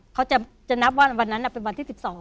เขาจะนับว่าวันนั้นเป็นวันที่๑๒